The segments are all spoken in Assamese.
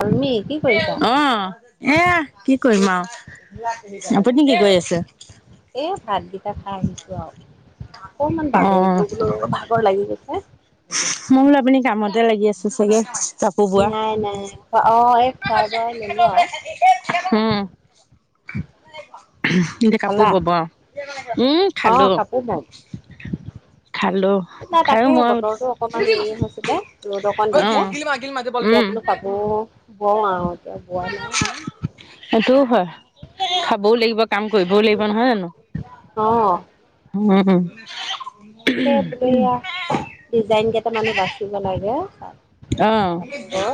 কলমি কি কৰিছা? অ'। এ, কি কৰিম আৰু। আপুনি কি কৰি আছে? এ, ভাতকেইটা খাই আহিছোঁ আৰু। অকমান অ', বাগৰিটো বোলো ভাগৰ লাগি গৈছে। মই বোলো আপুনি কামতে লাগি আছে চাগে। কাপোৰ বোৱা। নাই নাই। অ' এই খোৱাই বোৱাই ললোঁ আৰু। হুম। [unintelligible] কাপোৰ খালা? বব আৰু, উম, খালোঁ। না, তাকে বতৰটো অকমান হেৰি হৈছিলে। ৰ'দ অকণ অ', উম, দিছে, এতিয়া বোলো কাপোৰ বওঁ আৰু এতিয়া, বোৱা নাই। আৰু সেইটোও হয়। খাবও লাগিব, কাম কৰিবও লাগিব নহয় জানো? অ'। উম। [unintelligible] ডিজাইন কেইটামান [unintelligible] অ'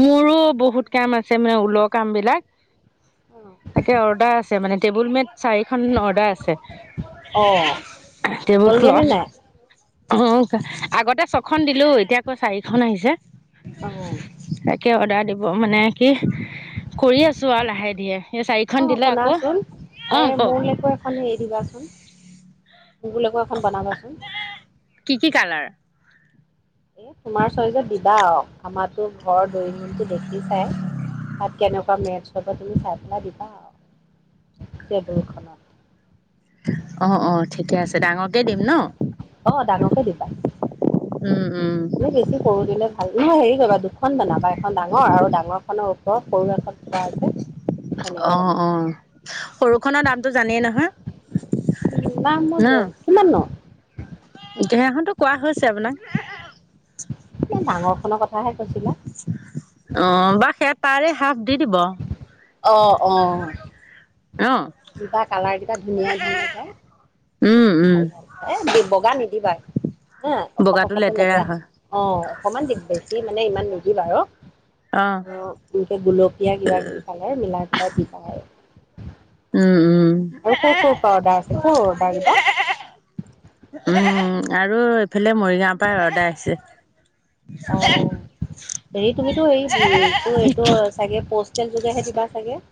মোৰো বহুত কাম আছে মানে ঊল কামবিলাক। তাকে অৰ্ডাৰ আছে মানে, টেবুল মেট চাৰিখন অৰ্ডাৰ আছে। অ টেবুল হ'লগে নে ক্লথ। নাই? অ' আগতে ছখন দিলোঁ, এতিয়া আকৌ চাৰিখন আহিছে। অ'। কিয় অৰ্ডাৰ দিব, মানে কি কৰি আছোঁ আৰু লাহে ধীৰে। এই চাৰি অ খন দিলে আকৌ। শুনাচোন এই অ' কওঁক। [unintelligible] এখন হেৰি দিবাচোন [unintelligible] এখন বনাবাচোন। কি কি কালাৰ? এ, তোমাৰ চইজত দিবা আৰু, আমাৰতো ঘৰৰ ড্ৰয়িং ৰুমটো দেখিচাই। তাত কেনেকুৱা মেছ হ'ব তুমি চাই পেলাই দিবা, টেবুলখন। অ', অ' ঠিকে আছে। ডাঙৰকে দিম ন'? অ' ডাঙৰকে দিবা। উম, উম। এই বেছি সৰু দিলে ভাল, নহয় হেৰি কৰিবা দুখন বনাবা এখন ডাঙৰ আৰু ডাঙৰখনৰ ওপৰত সৰু এখন। [unintelligible] অ', বনাবা অ'। সৰুখনৰ দামটো জানেই নহয়। দাম ন [unintelligible] কিমাননো? [unintelligible] কোৱা হৈছে আপোনাক। ডাঙৰ খনৰ কথাহে কৈছিলা। অ' বা সেই তাৰে হাফ দি দিব। অ', অ'। অ'। দিবা কালাৰ কেইটা ধুনীয়া ধুনীয়া চাই উম উম ভাল ভাল। এ, বগা নিদিবা হা, অকত বগাটো অকতে লেতেৰা হ'ব। হয় অ' অকমান দি, বেছি মানে ইমান নিদিবা আৰু অ' এনেকে গুলপীয়া কিবা কিবি কালাৰ মিলাই পেলাই দিবা আৰু। উম, উম। আৰু ক'ৰ ক'ৰ পৰা অৰ্ডাৰ আছে ক'ৰ অৰ্ডাৰ কেইটা? উম, আৰু এইফালে মৰিগাঁৱৰ পৰা অৰ্ডাৰ অ আছে। হেৰি তুমিতো হেৰি এইটো চাগে প'ষ্টেল যোগেহে দিবা চাগে।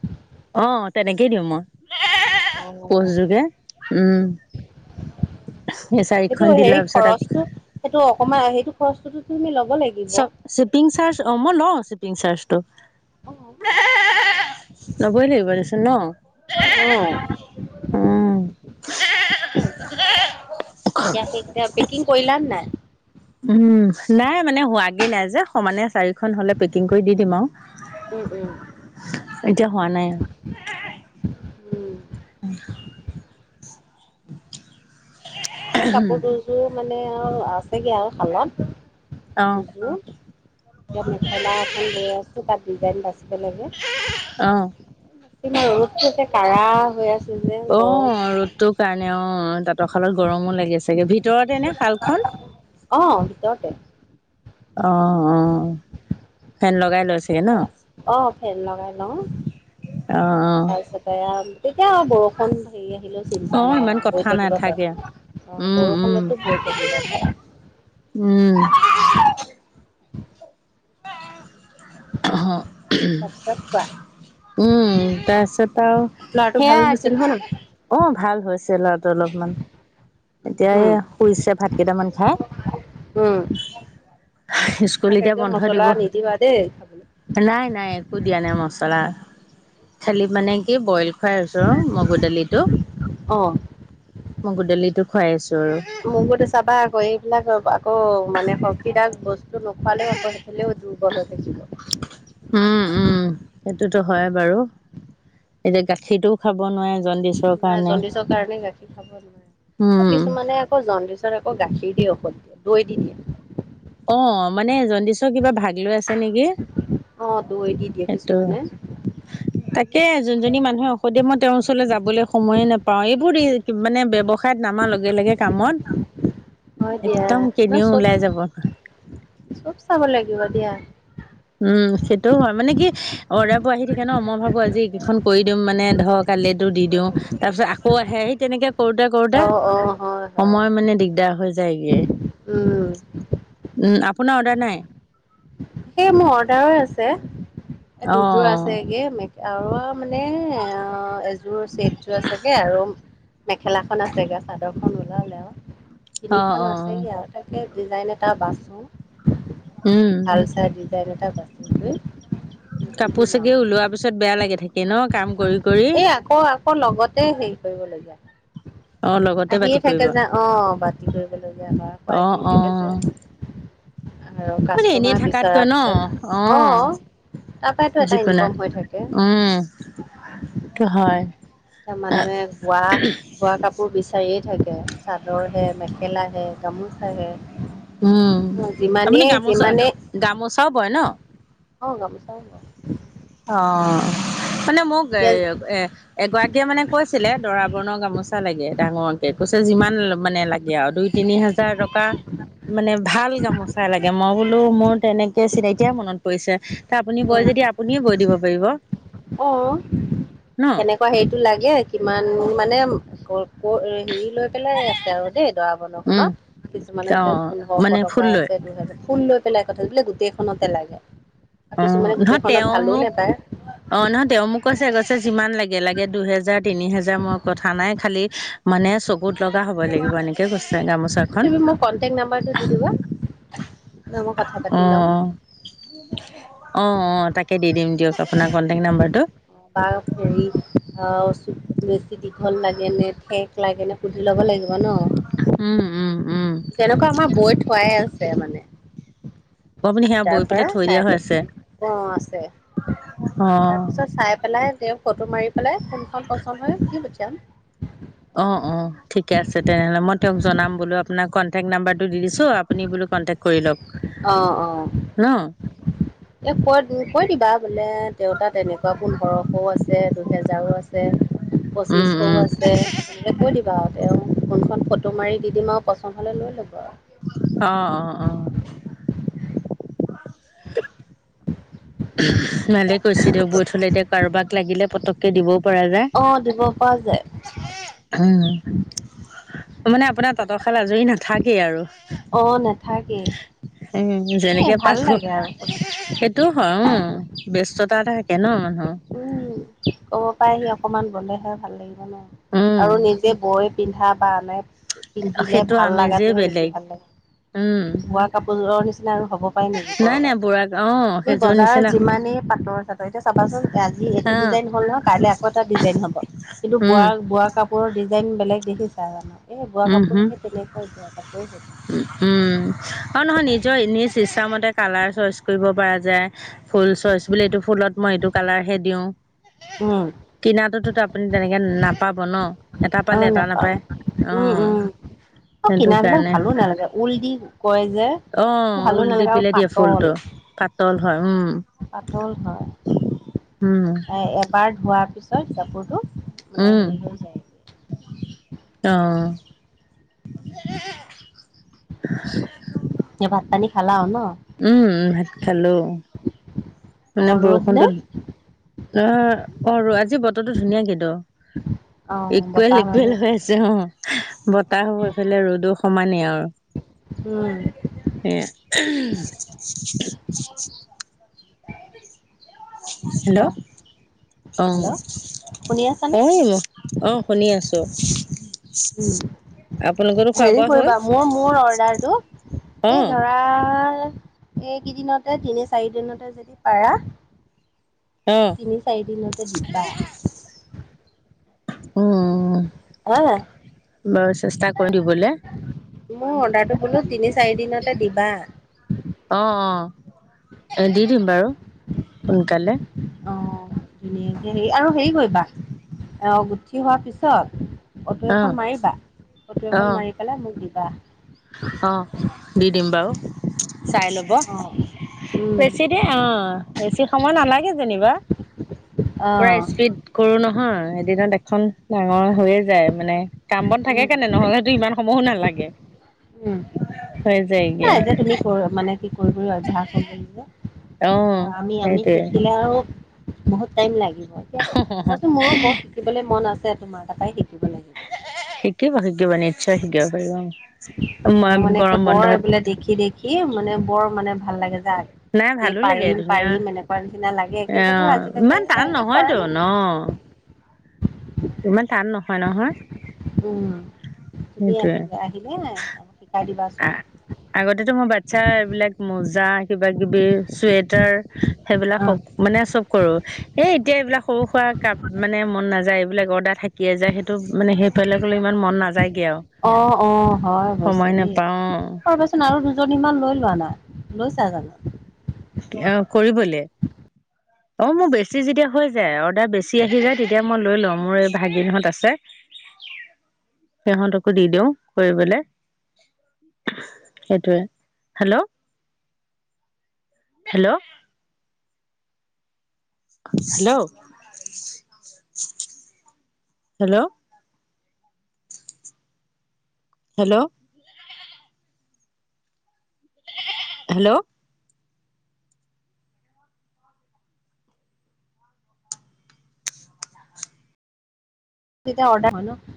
অঁ' তেনেকেই দিওঁ মই, পষ্টযোগে উম। সেই সেইটো চাৰিখন দি সেই লোৱাৰ পিছত আকৌ খৰচটো সেইটো অকমান সেইটো খৰচটোতো তুমি ল'ব লাগিব। চ অ শ্বিপিং চাৰ্জ অঁ' মই লওঁ শ্বিপিং চাৰজটো। ল'বই লাগিব দেচোন ন। অঁ। উম এতিয়া সেইকেইটা পেকিং কৰিলানে নাই? উমঁ' নাই মানে হোৱাগে নাই যে সমানে চাৰি খন হ'লে পেকিং কৰি দি দিম আৰু। উম উম এতিয়া হোৱা নাই আৰু। কাপোৰ দুযোৰ মানে আৰু আছেগে আৰু শালত আৰু দুযোৰ। এতিয়া মেখেলা এখন বৈ আছোঁ তাত ডিজাইন বাচিব লাগে। অ কিমান ৰ'দটো যে কাঢ়া হৈ আছে যে অ অ গৰম। অকমান ৰ'দটোৰ কাৰণে অঁ' তাঁতৰ শালত গৰমো লাগে চাগে, ভিতৰতে নে শালখন? অঁ' ভিতৰতে। অঁ অঁ' ফেন লগাই লৈ চাগে ন অঁ' ফেন লগাই লওঁ। অ অ তাৰপিছতে তেতিয়া বৰষুণ হেৰি আহিলো অ চিন্তা নাই ইমান আৰু বৈ কথা থাকিব নাথাকে পাৰে অঁ' উম বৰষুণতো বৈ থাকিব পাৰে। উমঁ। অঁ। উমঁ' তাৰপিছত তাৰ কোৱা পিছত আৰু ল'ৰাটো ভাল সেইয়া হৈছে কি নহয় ন অঁ' ভাল হৈছে ল'ৰাটো অলপমান। এতিয়া উম এই শুইছে ভাত কেইটামান খাই। উমঁ। স্কুল তাক এতিয়া একদম বন্ধ দিব মছলা নিদিবা দেই। খাবলৈ নাই নাই, একো দিয়া নাই মছলা, খালি মানে কি বইল খুৱাই আছো আৰু মগু দালিটো, অ মগু দালিটো খুৱাই আছো আৰু। মগুতো চাবা আকৌ এইবিলাক আকৌ মানে শক্তিদায় বস্তু টো নখোৱালেও আকৌ সেইফালেও দুৰ্বল হৈ থাকিব। হুম উমঁ' সেইটোতো হয় বাৰু এতিয়া গাখীৰটো খাব নোৱাৰে জন নাই জণ্ডিছৰ কাৰণে গাখীৰ খাব নোৱাৰে, উম কিছুমানে আকৌ জণ্ডিছ পিছত আকৌ গখীৰ দি ঔষধ দিয়ে, দৈ দি দিয়ে। অঁ' মানে জণ্ডিচৰ কিবা ভাগ লৈ আছে নেকি অঁ' দৈ দি দিয়ে সেইটো কিছুমানে। তাকে, যোনজনী মানুহে ঔষধ দিয়ে মই তেওঁৰ ওচৰলৈ যাবলৈ সময়ে নাপাও। এইবোৰ মানে ব্যৱসায়ত নামাৰ লগে লগে কামত হয় দিয়া একদম ন কিনিও চব ওলাই যাব চ'ব চাব লাগিব দিয়া। উমঁ' সেইটোও হয় মানে কি অৰ্দাৰ বোৰ আহি থাকে ন' মই ভাবো আজি এই কেইখন কৰি দিম মানে ধৰক কালিটো দি দিওঁ তাৰপিছত আকৌ আহে সেই তেনেকে কৰোতে কৰোতে অ অ হয় হয় সময় মানে দিগদাৰ হৈ যায়গৈ। উম উমঁ' আপোনাৰ অৰ্ডাৰ নাই? সেই মোৰ অৰ্ডাৰ আছে, অ দুযোৰ আছে গে মে আৰু মানে অঁ' এযোৰ ছেদযোৰ আছেগে আৰু মেখেলাখন আছেগে আৰু চাদৰখন ওলালে আৰু। অ অ তিনিখন অ আছেগে আৰু তাকে ডিজাইন এটা বাচো উম ভাল চাই ডিজাইন এটা বাচি কৰি দি কাপোৰ লওঁ চাগে ওলোৱাৰ পিছত বেয়া লাগে থাকে ন কাম কৰি কৰি এই আকৌ আকৌ লগতে হেৰি কৰিবলগীয়া অ লগতে আহিয়ে বাতি কৰিব থাকে যে অ বাতি কৰিবলৈ য আমাৰ আকৌ অ আহিয়ে থাকে অ যে আৰু মানে এনেই কাষ্টমাৰ থাকাতকৈ বিচৰাৰ ন পিছত অ তাপাইতো এটা যিকোনো ইনকম হৈ থাকে। উম টো হয় এয়া মানুহে বোৱা বোৱা কাপোৰ বিচাৰিয়ে থাকে চাদৰ হে মেখেলা হে গামোচাহে উম আপুনি গামোচা গামোচাও বয় ন অ গামোচা ব ও অ মানে মোক এ এতিয়া এ এগৰাকীয়ে মানে কৈছিলে দৰা বৰ্ণৰ গামোচা লাগে ডাঙৰকে কৈছে যিমান মানে লাগে আৰু দুই তিনি হাজাৰ টকাৰ মানে ভাল গামোচাই লাগে মই বোলো মোৰ তেনেকে চিনতিাই মনত পৰিছে ত আপুনি বৈ যদি আপুনিয়ে বৈ দিব পাৰিব অ ন কেনো হেৰিতটো লাগে কিমান মানে ক হেৰি লৈ পেলাই আছে আৰু দেই দৰা বন উম খনত কিছুমানৰ অ এতিয়া মানে পোন্ধশ টকা ফুল লৈ আছে দুহেজাৰ ফুল লৈ পেলাই কথা বোলে গোটেইখনতে লাগে আৰু অ কিছুমানে নহয় গোটেইখনত তেওঁ ভালো মোক নেপায় অ নহ তেওঁ মোক কৈছে কৈছে যিমান লাগে লাগে দুহেজাৰ তিনি হোজাৰ মোৰ কথা নাই খালি মানে চকুত লগা হ'ব লাগিব এনেকে কৈছে টে গামোচা খন তুমি মোক কন্টেক্ট নাম্বাৰটো দি দিবা মই কথা পাতি ল'ম অঁ অ অ তাকে দি দিম দিয়ক আপোনাৰ কন্টেক্ট নাম্বাৰটো বা হেৰি অ চু বেছি দীঘল লাগে এনে ঠেক লাগে নে সুধি ল'ব লাগিব ন উম উম উম তেনেকুৱা আমাৰ বৈ থোৱাই আছে মানে আপুনি সেয়া তাৰ বৈ পেলাই পৰা থৈ দিয়া হৈ চাই আছে [unintelligible] অ আছে অ তাৰপিছত চাই পেলাই তেওঁ ফটো মাৰি পেলাই কোনখন পচন্দ হয় দি পঠিয়াম অ অ ঠিকে আছে তেনেহ'লে মই তেওঁক জনাম বোলো আপোনাৰ কন্টেক্ট নাম্বাৰটো দি দিছো আপুনি বোলো কণ্টেক্ট কৰি ল'ব অ অ অ এ কৈ কৈ দিবা বোলে দেউতা তেনেকুৱা পোন্ধ ৰশও আছে দুহেজাৰো আছে উম পঁচিছশও উম আছে তেনেকৈ কৈ দিবা আৰু তেওঁ কোনখন ফটো মাৰি দি দিম আৰু পচন্দ হ'লে লৈ ল'ব আৰু অ অ অ ভালেই কৈছে দিয়ক বৈ থলে এতিয়া কাৰোবাক লাগিলে পতক দিবও পৰা যায় অ', দিব পৰা যায় উম মানে আপোনাৰ তাঁতৰশাল আজৰি নাথাকেই আৰু অ নাথাকেই উম এ যেনেকে ভাল পাক ঘ লাগে আৰু। সেইটোও হয় উম ব্যস্ততা এটা থাকে ন মানুহ উম ক'ব পাৰহি অকমান বলেহে ভাল লাগিব ন উম আৰু নিজে বৈ পিন্ধা বা আনে পিন্ধিলে সেইটো ভাল আমেজেই লাগাটোহে বেছি বেলেগ ভাল লাগে, উম মই কাপোৰযোৰৰ নিচিনা আৰু হ'ব। পায় নেকি নাই নাই কৰবাত? বুঢ়া অ তুমি সেইযোৰ বজাৰ নিচিনা যিমানেই পাটৰ - চাটৰ এতিয়া চাবাচোন যি এইটো হা ডিজাইন হল নহয় কাইলৈ আকৌ এটা ডিজাইন হব কিন্তু উম বোৱাৰ বোৱা কাপোৰৰ ডিজাইন বেলেগ দেখিছা জানো? এই বোৱা উম কাপোৰ হুম, সেই তেনেকুৱাই বোৱা কাপোৰে হৈ থাকে। উ উম আৰু নহয় নিজৰ এনেচ ইচ্ছামতে কালাৰ চইচ কৰিব পৰা যায় ফুল চইচ বুলি এইটো ফুলত মই এইটো কালাৰহে দিওঁ। উম। কিনাতোতো ত আপুনি তেনেকে নাপাব ন? এটা অ পালে এটা নাপাওঁ নাপায় অ উম উম, এ সেইটো কিনাবিলাক কাৰণে ভালো নালাগে ঊল দি কৰে যে। অ ভালো ঊল দি নালাগে আৰু পেলাই দিয়ে পাতল ফুলটো, পাতল হয় উম। পাতল হয় উম। এ এবাৰ ধোৱাৰ পিছত কাপোৰটো মানে উম হেৰি হৈ যায়। অ। [unintelligible] চ, এ ভাত পানী - খালা আও ন? উম উম, ভাত খালো। মানে অঁ ৰ'দ নে? বৰষুণটোত অ অ আজি বতৰটো ধুনীয়া কিন্তু অ ইকুৱেল - বতাহ মাৰি ইকুৱেল আছে হৈ চাগে। আছ ছে অ, বতাহ হৈ উম ফালে ৰ'দো সমানেই আৰু। উম। এহ উহ। তাৰপিছত [unintelligible] কোৱা হেল্ল'? অ' হেল্ল' শুনি আছানে ঔ। অ' শুনি আছো, উম আপোনালোকৰটো হেৰি খোৱা-বোৱা হ'ল। কৰিবা মোৰ -মোৰ অৰ্ডাৰটো অ এই ধৰা এইকেইদিনতে তিনি - চাৰি দিনতে যদি পাৰা অ তিনি - চাৰি দিনতে দিবা। উম উম। হা বাৰু চেষ্টা কৰো দিবলে। মোৰ অৰ্ডাৰটো বোলো তিনি - চাৰি দিনতে দিবা। অ', অ' এ' দি দিম বাৰু সোনকালে। অ' ধুনীয়াকে হে আৰু হেৰি কৰিবা, আহ, গুঠি হোৱাৰ পিছত ফটো অ এখন মাৰিবা, ফটো এখন অ', মাৰি পেলাই মোক দিবা। অ', দি দিম বাৰু চাই ল'ব, অ উম বেছি দিন অ' বেছি সময় নালাগে যেনিবা, অ পোৰা স্পীড কৰো নহয় এদিনত এখন ডাঙৰ হৈয়ে যায়, মানে কাম-বন থাকে উম কেনে তেনেহ'লেটো ইমান সময়ো নালাগে। উম। হৈ যায়গে নাই যে তুমি কৰ মানে কি কৰি -কৰি অভ্যাস হৈ গ'ল যে। অ'। এয়া আমি - আমি সেইটোৱে, শিকিলেও আৰু বহুত টাইম লাগিব। য়া তাৰপিছত মোৰো বৰ শিকিবলৈ মন আছে তোমাৰ, তাপাই শিকিব লাগিব। শিকিব, শিকিব নিচ্চয় শিকিব পাৰিবা। অ মোৰ মই' মানে গৰম বৰ বন্ধত এইবিলাক দেখি- দেখি এ মানে, বৰ মানে ভাল লাগে যা। নাই যে ভালো লাগে পাৰিম, ধুনীয়া পাৰিম এনেকুৱা নিচিনা লাগে কিন্তু ধৰ আজিলৈকে ইমান টান তেনেকে কৰা নহয়তো ন, নাই। অ'। ইমান টান নহয়, নহয়। উম, তুমি সেইটোৱে। আহি-আহিবা নাই, শিকাই দিবাচোন। আগতেটো মোৰ বাচ্ছাৰ এইবিলাক মুজা কিবা কিবি। চুৱেটাৰ, সেইবিলাক সক মানে চব কৰোঁ এ এতিয়া এইবিলাক সৰু-সুৰা কাপ মানে মন নাযায়, এইবিলাক অৰ্ডাৰ হে কিয়ে যায় সেইটো মানে সেইফালে গ'লে, ইমান মন নাযায়গে আৰু অ অ অ সময় নেপা অ'। শুনাচোন আৰু দুজনীমান লৈ লোৱা না লৈছা জানোঁ। এয়া কৰিবলে। অ' মোৰ বেছি যেতিয়া হৈ যায়, অৰ্ডাৰ বেছি আহি যায়, তেতিয়া মই লৈ লওঁ মোৰ এই ভাগিনহঁত আছে। সিহঁতকো দি দিওঁ কৰিবলে। সেইটোৱে hello, hello. Hello, hello. Hello. Hello. যেতিয়া অৰ্ডাৰ। [unintelligible]